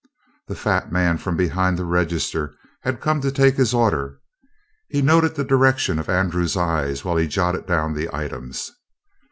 The fat man from behind the register had come to take his order. He noted the direction of Andrew's eyes while he jotted down the items.